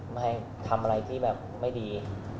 ไม่ให้ทำอะไรที่แบบไม่ดี